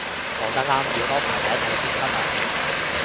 講得啱，要安排睇一睇先得嘞